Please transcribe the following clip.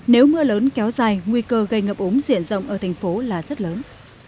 nếu mưa lớn kéo dài nguy cơ gây ngập úng diện rộng ở thành phố là rất lớn